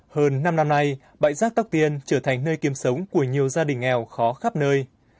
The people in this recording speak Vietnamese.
hơn năm năm nay bãi rác tóc tiên trở thành nơi kiếm sống của nhiều gia đình nghèo khó khắp nơi